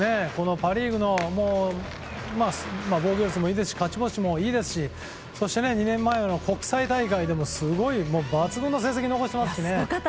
パ・リーグの防御率もいいですし勝ち星もいいですし、２年前の国際大会でも抜群の成績残しましたから。